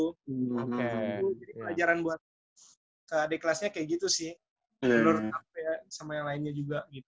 jadi pelajaran buat adik kelasnya kayak gitu sih menurut aku ya sama yang lainnya juga